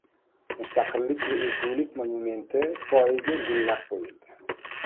Mustaqillik va ezgulik monumenti poyiga gullar qo‘yildi